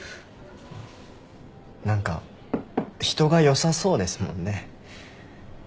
何か人が良さそうですもんね。